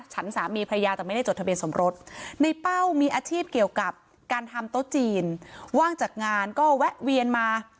ฉันสามีพระยาแต่ไม่ได้จดทะเบียนสมรสในเป้ามีอาชีพเกี่ยวกับการทำโต๊ะจีนว่างจากงานก็แวะเวียนมา